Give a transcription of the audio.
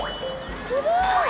すごい！